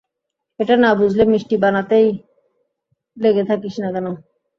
এটা না বুঝলে মিষ্টি বানানোতেই লেগে থাকিস না কেন?